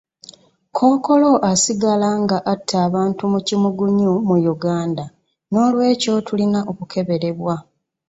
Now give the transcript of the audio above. Kkookolo asigala nga atta abantu mu kimugunyu mu Uganda, n'olw'ekyo tulina okukeberebwa.